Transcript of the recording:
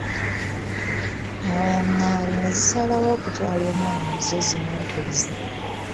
Awo Ngaali ne zisalawo okutwala omwana zzo zimwekulize.